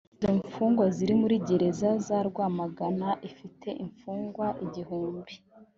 izo mfungwa ziri muri gereza za rwamagana ifite imfungwa igihumbi